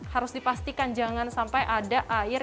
harus dipastikan jangan sampai ada air